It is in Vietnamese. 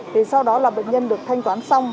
thì sau đó là bệnh nhân được thanh toán xong